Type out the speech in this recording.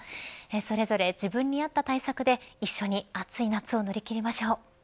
それぞれ自分に合った対策で一緒に暑い夏を乗り切りましょう。